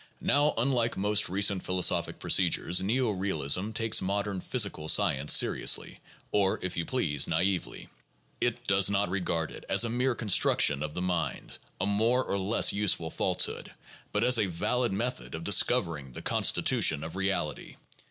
Now, unlike most recent philosophic procedures, neo realism takes modern physical science seriously, or, if you please, naively. It does not regard it as a "mere construction of the mind," a more or less useful falsehood, but as a valid method of discovering the constitution of reality.